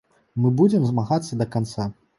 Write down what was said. Мы будзем змагацца да канца.